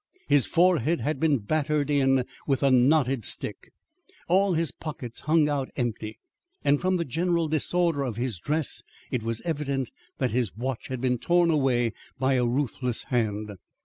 His forehead had been battered in with a knotted stick; all his pockets hung out empty; and from the general disorder of his dress it was evident that his watch had been torn away by a ruthless hand.